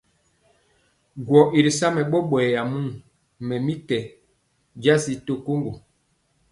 Gwɔ̄ i ri sa mɛ ɓɔɓɔyɛ muu, mɛ mi kɛ jasi to koŋgo.